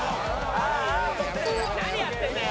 何やってんだよ！